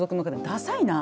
ダサいな。